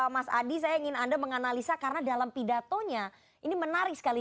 mas adi saya ingin anda menganalisa karena dalam pidatonya ini menarik sekali